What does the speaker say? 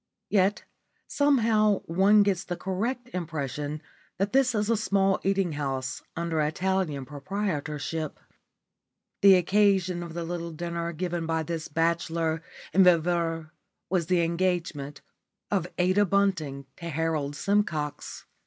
Yet somehow one gets the correct impression that this is a small eating house under Italian proprietorship. The occasion of the little dinner given by this bachelor and viveur was the engagement of Ada Bunting to Harold Simcox.